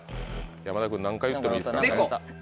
山田君何回言ってもいいですからね。